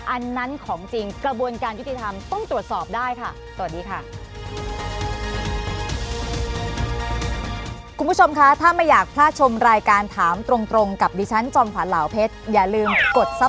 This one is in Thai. อันนั้นของจริงกระบวนการยุติธรรมต้องตรวจสอบได้ค่ะสวัสดีค่ะ